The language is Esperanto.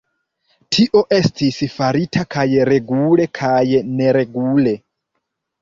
Tio estis farita kaj regule kaj neregule.